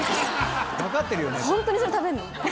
「ホントにそれ食べんの？」